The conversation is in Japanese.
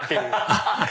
アハハハ